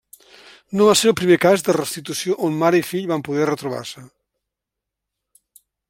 No va ser el primer cas de restitució on mare i fill van poder retrobar-se.